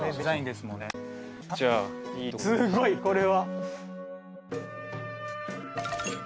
すごいこれは！